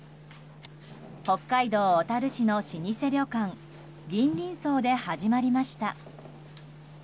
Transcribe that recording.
北海道小樽市の老舗旅館銀鱗荘で始まりました。